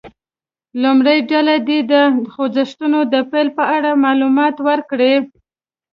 لومړۍ ډله دې د خوځښتونو د پیل په اړه معلومات ورکړي.